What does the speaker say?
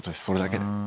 それだけで。